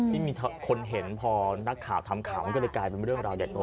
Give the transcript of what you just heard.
ที่มีคนเห็นพอนักข่าวทำข่าวมันก็เลยกลายเป็นเรื่องราวใหญ่โต